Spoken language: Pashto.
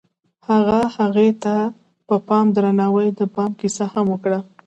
هغه هغې ته په درناوي د بام کیسه هم وکړه.